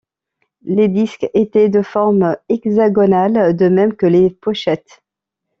Les disques étaient de forme hexagonale, de même que les pochettes.